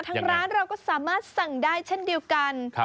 ทางร้านเราก็สามารถสั่งได้เช่นเดียวกัน